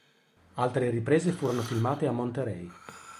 Altre riprese furono filmate a Monterey.